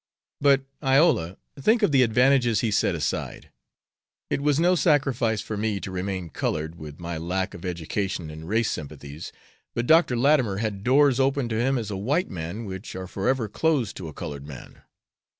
"But, Iola, think of the advantages he set aside. It was no sacrifice for me to remain colored, with my lack of education and race sympathies, but Dr. Latimer had doors open to him as a white man which are forever closed to a colored man.